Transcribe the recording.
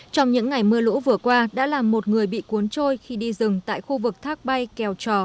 trong những ngày mưa lũ vừa qua đã làm một người bị cuốn trôi khi đi rừng tại khu vực thác bay kèo trò